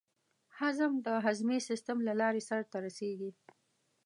هضم د هضمي سیستم له لارې سر ته رسېږي.